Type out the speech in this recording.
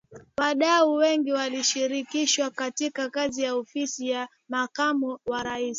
Wadau wengi walishirikishwa katika kazi ya Ofisi ya Makamu wa Rais